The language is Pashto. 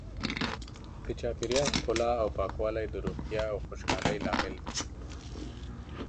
د چاپیریال ښکلا او پاکوالی د روغتیا او خوشحالۍ لامل دی.